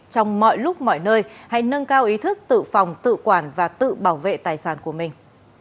trong mọi lúc mọi nơi hãy nâng cao ý thức tự phòng tự quản và tự bảo vệ tài sản của mình